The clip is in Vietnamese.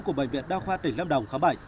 của bệnh viện đa khoa tỉnh lâm đồng khóa bảy